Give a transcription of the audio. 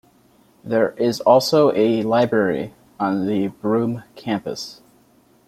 There is also a library on the Broome Campus.